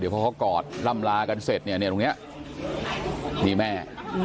เดี๋ยวพอเขากอดลำลากันเสร็จเนี่ยตรงเนี้ยมีแม่